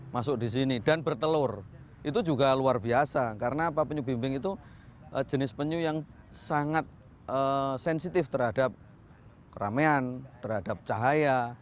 masuk di sini dan bertelur itu juga luar biasa karena apa penyu bimbing itu jenis penyu yang sangat sensitif terhadap keramaian terhadap cahaya